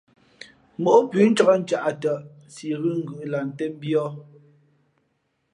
Móꞌ pʉ̌ ncāk ncaꞌ tα, si ghʉ̌ ngʉ̌ꞌ lah ntēn mbīᾱ.